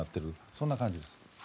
そんな感じです。